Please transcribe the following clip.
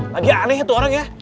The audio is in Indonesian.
lagi aneh tuh orangnya